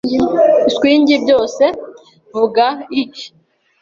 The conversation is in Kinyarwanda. swing byose, vuga I. ”